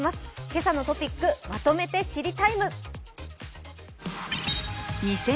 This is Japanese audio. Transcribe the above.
「けさのトピックまとめて知りＴＩＭＥ，」。